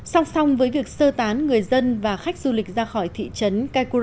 song song với việc sơ tán người dân và khách du lịch ra khỏi thị trấn cauro